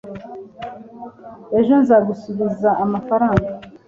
ejo nzagusubiza amafaranga